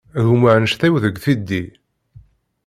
Gma anect-iw deg tiddi.